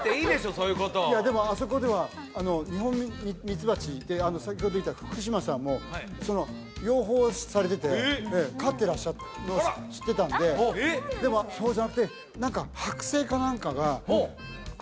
そういうこといやでもあそこでは日本ミツバチで先ほどいた福島さんも養蜂されててええ飼ってらっしゃるのを知ってたんででもそうじゃなくて何かえっ？